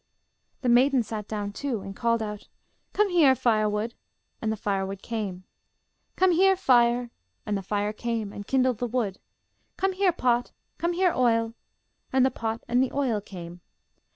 The maiden sat down too, and called out, 'Come here, firewood,' and the firewood came. 'Come here, fire,' and the fire came and kindled the wood. 'Come here, pot.' 'Come here, oil;' and the pot and the oil came.